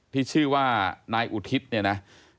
ที่ชื่อว่านายอุทิศเนี่ยนะ